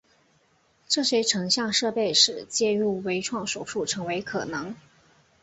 这些成像设备使介入微创手术成为可能。